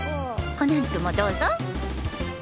コナン君もどうぞ。